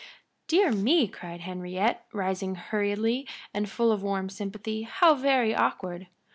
"Dear me!" cried Henriette, rising hurriedly and full of warm sympathy. "How very awkward!"